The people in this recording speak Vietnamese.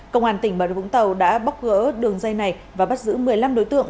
công an tỉnh bà rịa vũng tàu đã bóc gỡ đường dây này và bắt giữ một mươi năm đối tượng